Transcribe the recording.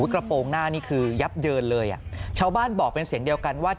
กระโปรงหน้านี่คือยับเยินเลยอ่ะชาวบ้านบอกเป็นเสียงเดียวกันว่า